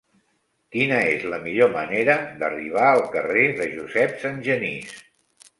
Quina és la millor manera d'arribar al carrer de Josep Sangenís?